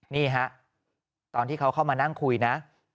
นี่ฮะตอนที่เขาเข้ามานั่งคุยนะ